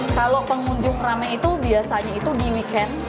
kalau pengunjung rame itu biasanya itu di weekend